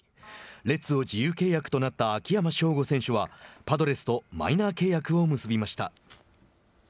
レッズを自由契約となった秋山翔吾選手はパドレスとマイナー契約を結びました。